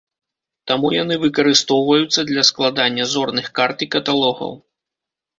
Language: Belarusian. Таму яны выкарыстоўваюцца для складання зорных карт і каталогаў.